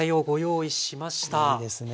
いいですね。